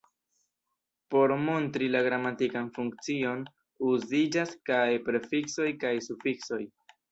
Por montri la gramatikan funkcion, uziĝas kaj prefiksoj kaj sufiksoj.